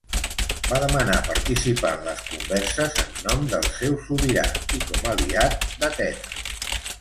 Va demanar participar en les converses en nom del seu sobirà i com aliat d'Atenes.